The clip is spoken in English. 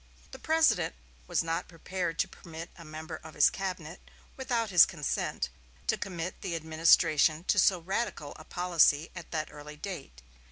The President was not prepared to permit a member of his cabinet, without his consent, to commit the administration to so radical a policy at that early date.